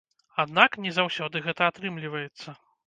Аднак, не заўсёды гэта атрымліваецца.